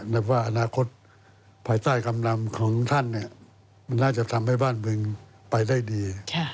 ในว่าอนาคตภายใต้คำนำของท่านมันน่าจะทำให้บ้านเมืองไปได้ดี